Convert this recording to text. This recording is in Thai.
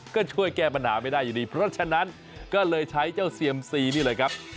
ก็ช่วยแก้ปัญหาไม่ได้อยู่ดีเพราะฉะนั้นก็เลยใช้เจ้าเซียมซีนี่แหละครับ